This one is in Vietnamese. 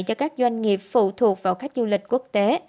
cho các doanh nghiệp phụ thuộc vào khách du lịch quốc tế